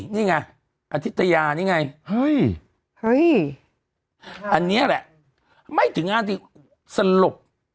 นี่ไงอธิตยานี่ไงเฮ้ยอันนี้แหละไม่ถึงนาทีสลบ